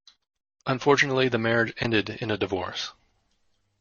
Unfortunately, the marriage ended in a divorce.